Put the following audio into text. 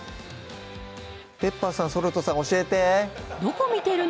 ペッパーさん・ソルトさん教えてどこ見てるの？